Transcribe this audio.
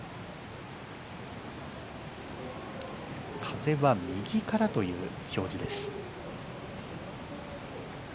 風は右からという表示です。